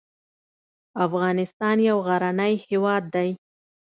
افغانستان يو غرنی هېواد دی.